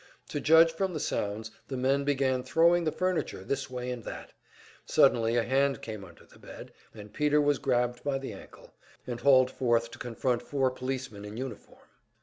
To judge from the sounds, the men began throwing the furniture this way and that; suddenly a hand came under the bed, and Peter was grabbed by the ankle, and hauled forth to confront four policemen in uniform.